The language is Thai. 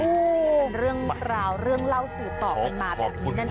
นี่เป็นเรื่องราวเรื่องเล่าสืบต่อกันมาแบบนี้นั่นเอง